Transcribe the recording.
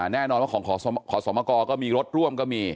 แน่นอนว่าของขอสมกรก็มีรถร่วมก็มี